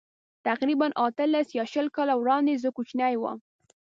تقریباً اتلس یا شل کاله وړاندې زه کوچنی وم.